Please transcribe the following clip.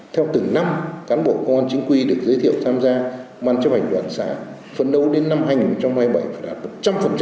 theo từng năm cán bộ công an chính quy được giới thiệu tham gia ban chấp hành đoàn xã phân đấu đến năm hai nghìn hai mươi bảy phải đạt một trăm linh